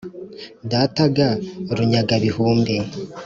data ga runyaga-bihumbi